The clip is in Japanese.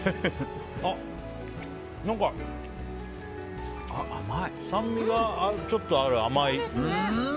何か酸味がちょっとある甘い。